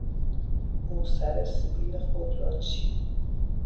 او سر سبیل خود را چید.